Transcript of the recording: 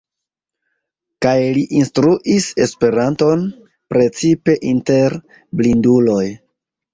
Kaj li instruis Esperanton, precipe inter blinduloj.